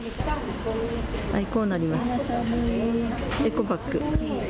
こうなります、エコバッグ。